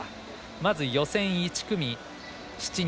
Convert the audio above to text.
まず予選１組、７人。